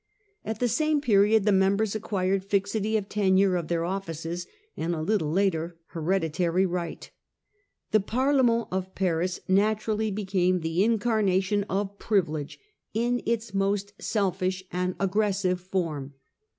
At the same period the members acquired fixity of tenure of their offices, and, a little later, hereditary right. The Parlement of Paris naturally became the incarnation of privilege in its most selfish and aggressive form.